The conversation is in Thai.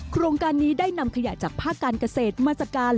โครงการนี้ได้นำขยะจากภาคการเกษตรมาจัดการ